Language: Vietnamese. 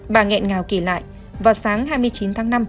bà nghẹn ngào kể lại vào sáng hai mươi chín tháng năm